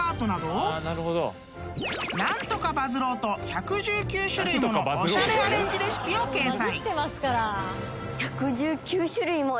［何とかバズろうと１１９種類ものおしゃれアレンジレシピを掲載］